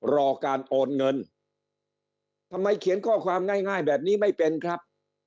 รอการโอนเงินทำไมเขียนข้อความง่ายแบบนี้ไม่เป็นครับ